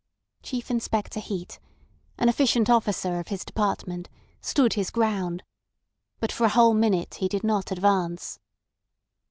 Chief Inspector Heat, an efficient officer of his department, stood his ground, but for a whole minute he did not advance.